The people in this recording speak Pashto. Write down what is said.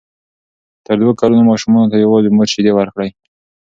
تر دوو کلونو ماشومانو ته یوازې مور شیدې ورکړئ.